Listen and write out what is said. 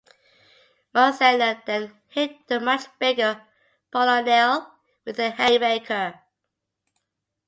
Marzano then hit the much bigger Paul O'Neill with a haymaker.